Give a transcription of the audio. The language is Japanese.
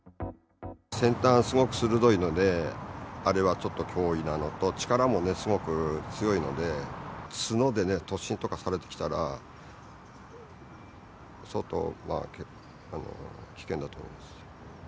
先端、すごく鋭いので、あれはちょっと脅威なのと、力もすごく強いので、角でね、突進とかされてきたら、相当危険だと思います。